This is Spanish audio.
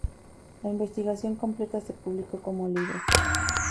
La investigación completa se publicó como libro.